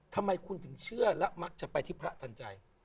ทำไมคุณถึงเชื่อและมักจะไปที่พระทันใจ